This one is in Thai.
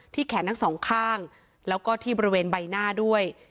แขนทั้งสองข้างแล้วก็ที่บริเวณใบหน้าด้วย